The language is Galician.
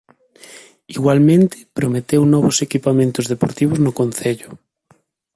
Igualmente, prometeu novos equipamentos deportivos no concello.